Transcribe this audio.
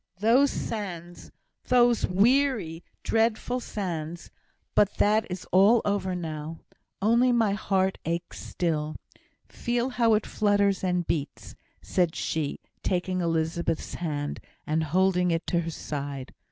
those sands, those weary, dreadful sands! But that is all over now. Only my heart aches still. Feel how it flutters and beats," said she, taking Elizabeth's hand, and holding it to her side.